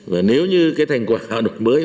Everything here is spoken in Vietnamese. và nếu như cái thành quả đổi mới